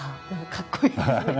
かっこいいですね。